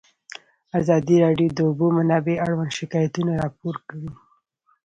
ازادي راډیو د د اوبو منابع اړوند شکایتونه راپور کړي.